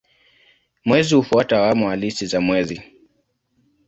Mwezi hufuata awamu halisi za mwezi.